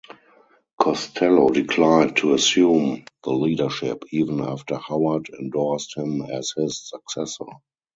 Costello declined to assume the leadership, even after Howard endorsed him as his successor.